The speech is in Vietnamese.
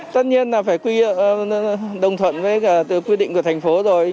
tất nhiên là phải đồng thuận với quy định của thành phố rồi